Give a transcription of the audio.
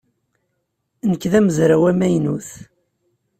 Nekk d amezraw amaynut.